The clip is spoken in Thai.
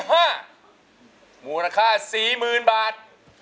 มูลค่า๔๐๐๐บาท